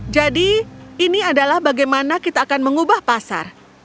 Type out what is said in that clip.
jadi ini adalah bagaimana kita akan mengubah pasar